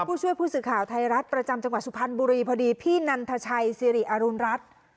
ผู้ช่วยผู้สื่อข่าวไทยรัฐประจำจังหวัดสุพรรณบุรีพอดีพี่นันทชัยสิริอรุณรัฐ